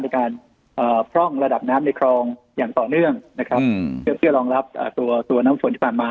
ในการพร่องระดับน้ำในคลองอย่างต่อเนื่องนะครับเพื่อรองรับตัวตัวน้ำฝนที่ผ่านมา